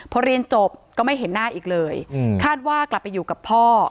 พอเรียนจบก็ไม่เห็นหน้าอีกเลยคาดว่ากลับไปอยู่กับพ่อ